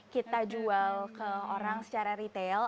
kita jual ke orang secara retail